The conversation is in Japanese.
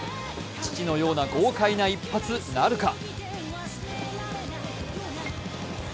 父のような豪快な一発なるか？